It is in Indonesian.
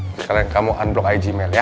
sekarang kamu unblock ig mel ya